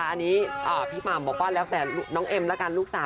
อันนี้พี่หม่ำบอกว่าแล้วแต่น้องเอ็มแล้วกันลูกสาว